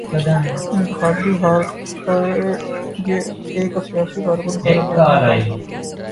انتخابی ہار پر یہ ایک سیاسی کارکن کا رد عمل تھا۔